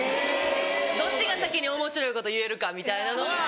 どっちが先におもしろいこと言えるかみたいなのは。